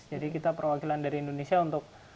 jadi kita perwakilan dari indonesia untuk